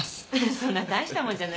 そんな大したもんじゃない